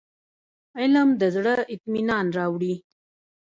علم د زړه اطمينان راوړي.